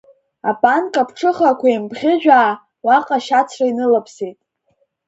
Абанка ԥҽыхақәа еимбӷьыжәаа, уаҟа ашьацра инылаԥсеит.